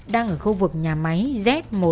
đang ở khu vực nhà máy z một trăm một mươi một